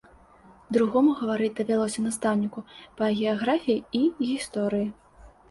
Другому гаварыць давялося настаўніку па геаграфіі і гісторыі.